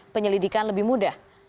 penyelidikan lebih mudah